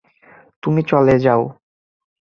তুমি চলে যাও।